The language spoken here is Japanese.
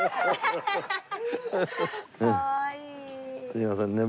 すいませんね。